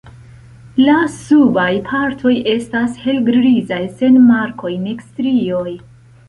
La subaj partoj estas helgrizaj sen markoj nek strioj.